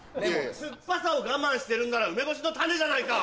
酸っぱさを我慢してるんなら梅干しの種じゃないか！